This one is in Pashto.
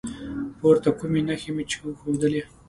پورته کومې نښې مې چې وښودلي